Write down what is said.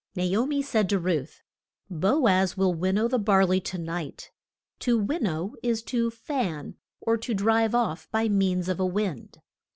Na o mi said to Ruth, Bo az will win now the bar ley to night. To win now is to fan, or to drive off by means of a wind.